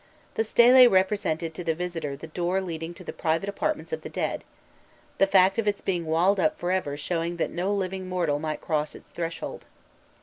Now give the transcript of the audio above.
The stele represented to the visitor the door leading to the private apartments of the deceased; the fact of its being walled up for ever showing that no living mortal might cross its threshold.